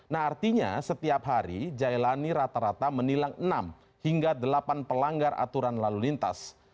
nah artinya setiap hari jailani rata rata menilang enam hingga delapan pelanggar aturan lalu lintas